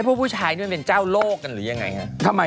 พวกผู้ชายนี่เป็นเจ้าโลกกันหรือยังไงให้ทำไมอ่ะ